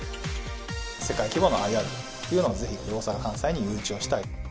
世界規模のＩＲというのを、ぜひ大阪・関西に誘致をしたいと。